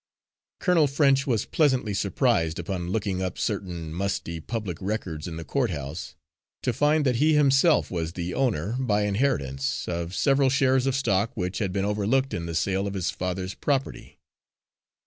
Colonel French was pleasantly surprised, upon looking up certain musty public records in the court house, to find that he himself was the owner, by inheritance, of several shares of stock which had been overlooked in the sale of his father's property.